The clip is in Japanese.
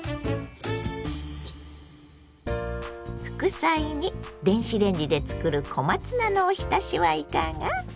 副菜に電子レンジで作る小松菜のおひたしはいかが。